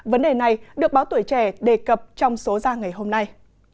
vấn đề này được báo tuổi trẻ đề cập trong số ra ngày hôm nay